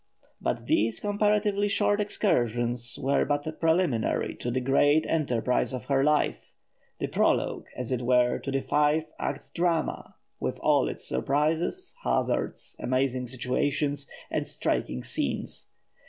But these comparatively short excursions were but preliminary to the great enterprise of her life, the prologue, as it were, to the five act drama, with all its surprises, hazards, amazing situations, and striking scenes.